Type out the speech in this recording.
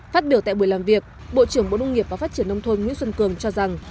phát biểu tại buổi làm việc bộ trưởng bộ nông nghiệp và phát triển nông thôn nguyễn xuân cường cho rằng